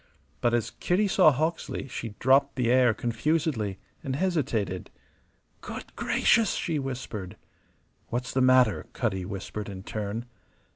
But as Kitty saw Hawksley she dropped the air confusedly, and hesitated. "Good gracious!" she whispered. "What's the matter?" Cutty whispered in turn.